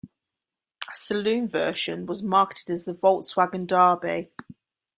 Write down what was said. A saloon version was marketed as the Volkswagen Derby.